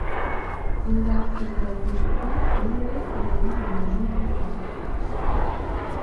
indakaliraguhiga uwe yamuhamije amakuza,